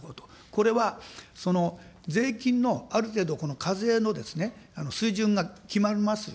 これは税金のある程度この課税のですね、水準が決まります。